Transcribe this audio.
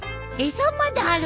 餌まであるの？